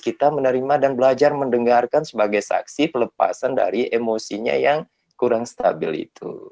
kita menerima dan belajar mendengarkan sebagai saksi pelepasan dari emosinya yang kurang stabil itu